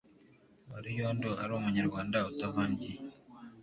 wa Ruyondo ari Umunyarwanda utavangiye.